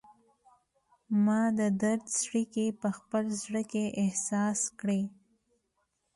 ما د درد څړیکې په خپل زړه کې احساس کړي